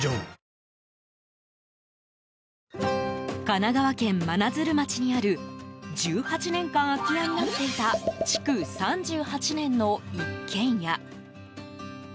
神奈川県真鶴町にある１８年間空き家になっていた築３８年の一軒家。